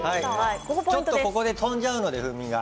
ここで飛んじゃうので風味が。